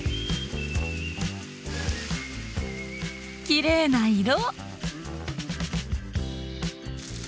きれいな色！